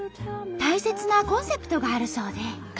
大切なコンセプトがあるそうで。